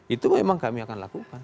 itu memang kami akan lakukan